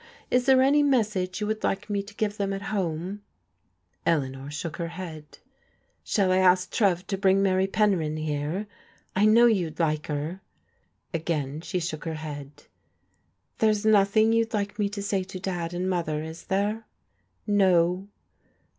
Is there any message yoa would like me to give them at ^" Eleanor shook her head. ''Shall I ask Trcv to brii^ Mary Penryn here? I know you'd like her." Again she shook her head. '* There's nothing you'd like me to say to Dad and Mother, is there?" " No."